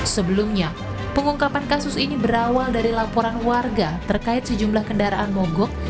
sebelumnya pengungkapan kasus ini berawal dari laporan warga terkait sejumlah kendaraan mogok